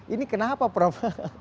ini kenapa prof